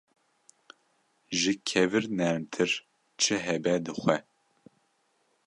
Ji kevir nermtir çi hebe dixwe.